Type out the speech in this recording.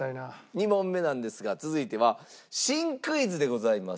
２問目なんですが続いては新クイズでございます。